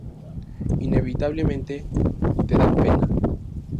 inevitablemente te dan pena